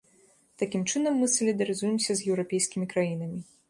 Такім чынам мы салідарызуемся з еўрапейскімі краінамі.